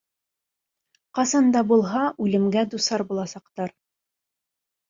Ҡасан да булһа үлемгә дусар буласаҡтар.